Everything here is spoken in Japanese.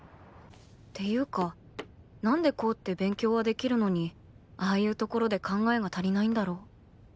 ていうか何でコウって勉強はできるのにああいうところで考えが足りないんだろう